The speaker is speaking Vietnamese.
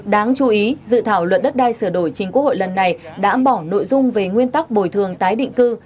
đáng chú ý dự thảo luận đất đai sửa đổi chính quốc hội lần này đã bỏ nội dung về nguyên tắc bồi thường tái định cư